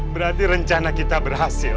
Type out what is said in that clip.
berarti rencana kita berhasil